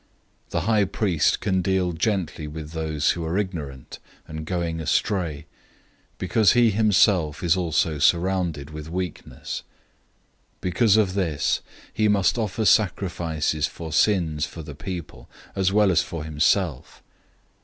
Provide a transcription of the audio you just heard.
005:002 The high priest can deal gently with those who are ignorant and going astray, because he himself is also surrounded with weakness. 005:003 Because of this, he must offer sacrifices for sins for the people, as well as for himself.